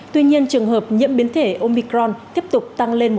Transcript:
tuy nhiên trường hợp nhiễm biến thể omicron tiếp tục tăng lên một trăm chín mươi hai